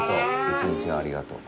一日のありがとう。